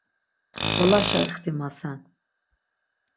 Ngolaşa ixtimasen.